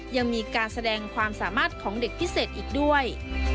ยังมีการแสดงความสามารถของเด็กพิเศษอีกด้วย